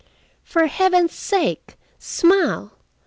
"For Heaven's sake, smile!"